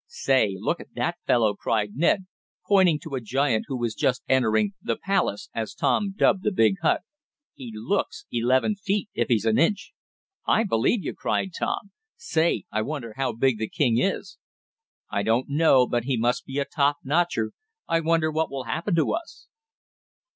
"Say, look at that fellow!" cried Ned, pointing to a giant who was just entering the "palace" as Tom dubbed the big hut. "He LOOKS eleven feet if he's an inch." "I believe you!" cried Tom. "Say, I wonder how big the king is?" "I don't know, but he must be a top notcher. I wonder what will happen to us?"